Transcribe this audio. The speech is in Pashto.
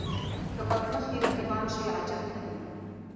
که بد مخي رقیبان شي عجب نه دی.